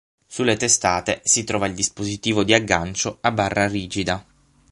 Sulle testate si trova il dispositivo di aggancio a barra rigida.